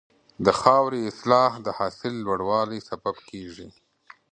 د خاورې اصلاح د حاصل لوړوالي سبب کېږي.